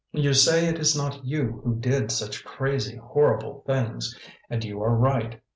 You say it is not you who did such crazy, horrible things, and you are right.